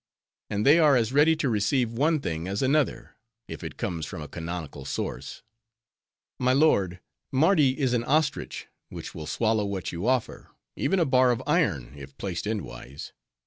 And they are as ready to receive one thing as another, if it comes from a canonical source. My lord, Mardi is as an ostrich, which will swallow augh you offer, even a bar of iron, if placed endwise.